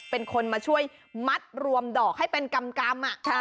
เป็นคนมาช่วยมัดรวมดอกให้เป็นกำกำอ่ะค่ะ